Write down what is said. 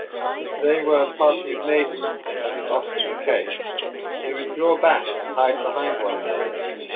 If they were a party of maidens, as was often the case, they would draw back and hide behind one another.